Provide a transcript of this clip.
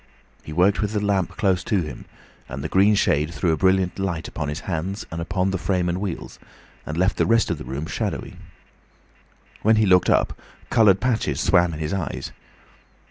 He worked with the lamp close to him, and the green shade threw a brilliant light upon his hands, and upon the frame and wheels, and left the rest of the room shadowy. When he looked up, coloured patches swam in his eyes.